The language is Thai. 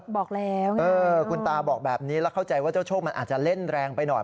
บอกแล้วคุณตาบอกแบบนี้แล้วเข้าใจว่าเจ้าโชคมันอาจจะเล่นแรงไปหน่อย